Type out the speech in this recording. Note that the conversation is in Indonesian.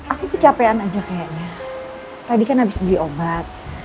aku kecapean aja kayaknya tadi kan habis beli obat